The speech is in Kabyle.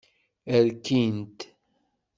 Rkin-t.